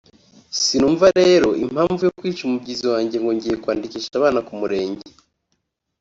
sinumva rero impamvu yo kwica umubyizi wanjye ngo ngiye kwandikisha abana ku murenge